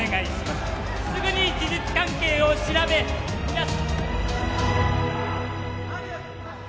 すぐに事実関係を調べ皆様